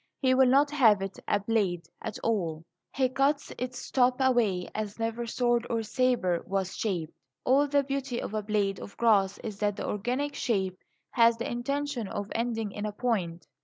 He will not have it a "blade" at all; he cuts its top away as never sword or sabre was shaped. All the beauty of a blade of grass is that the organic shape has the intention of ending in a point.